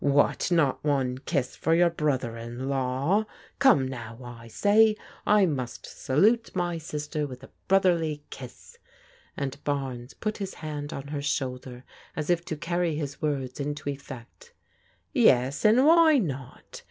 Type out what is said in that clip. What, not one kiss for your brother in law ? Come now, I say, I must salute my sister with a brotherly kiss," and Barnes put his hand on her shoulder as if to carry his words into effect. "Yes, and why not?"